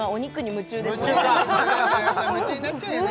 夢中になっちゃうよね